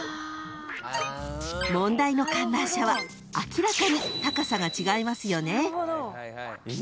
［問題の観覧車は明らかに高さが違いますよね］